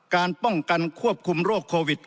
การป้องกันควบคุมโรคโควิด